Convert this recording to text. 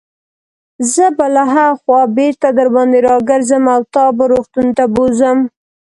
زه به له هاخوا بیرته درباندې راګرځم او تا به روغتون ته بوزم.